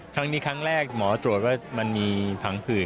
ครั้งนี้ครั้งแรกหมอตรวจว่ามันมีผังผืด